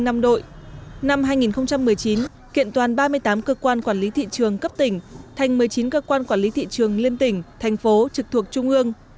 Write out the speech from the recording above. năm hai nghìn một mươi chín kiện toàn ba mươi tám cơ quan quản lý thị trường cấp tỉnh thành một mươi chín cơ quan quản lý thị trường liên tỉnh thành phố trực thuộc trung ương